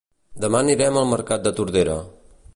Demà anirem al mercat de Tordera